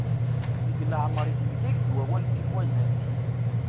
Deg leɛmer izleg-ak-d wawal nnig wazal-is.